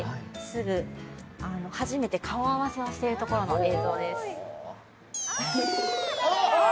すぐ初めて顔合わせをしているところの映像です